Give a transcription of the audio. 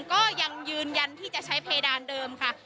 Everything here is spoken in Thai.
ก็ยังยืนยันที่จะใช้เพดานเดิมค่ะ